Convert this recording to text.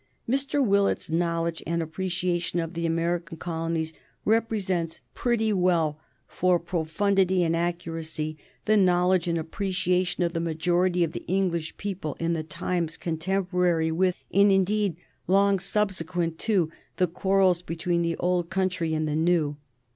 Mr. Willett's knowledge and appreciation of the American colonies represents pretty well for profundity and accuracy the knowledge and appreciation of the majority of the English people in the times contemporary with, and indeed long subsequent to, the quarrels between the old country and the new.